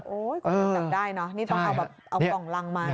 โอ้ยคุณอยากได้เนอะนี่ต้องเอากล่องรังมาเนอะ